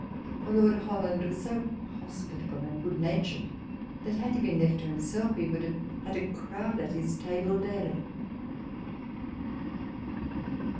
TABLE TALK OF SAMUEL ROGERS 219 Lord Holland was so hospitable and good natured, that, had he been left to himself, he would have had a crowd at his table daily.